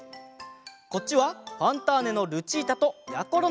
こっちは「ファンターネ！」のルチータとやころのえ。